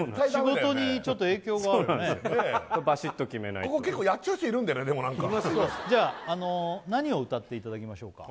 仕事にちょっと影響があるねバシッと決めないとここ結構やっちゃう人いるでもじゃああの何を歌っていただきましょうか？